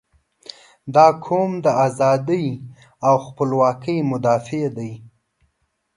• دا قوم د ازادۍ او خپلواکۍ مدافع دی.